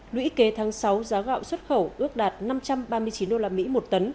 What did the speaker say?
lũy kế tháng sáu giá gạo xuất khẩu ước đạt năm trăm ba mươi chín đô la mỹ một tấn